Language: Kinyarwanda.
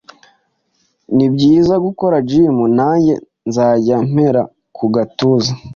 Ni byiza gukora gym nanjye nzajya mpera ku gatuza